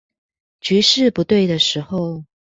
局勢不對的時候